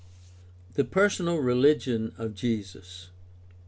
The personal religion of Jesus.